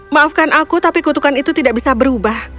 maafkan aku tapi kutukan itu tidak bisa berubah